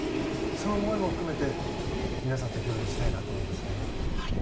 その思いも含めて皆さんと共有したいなと思いますね。